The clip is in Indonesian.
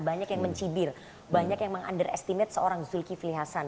banyak yang mencibir banyak yang meng under estimate seorang zulkifli hasan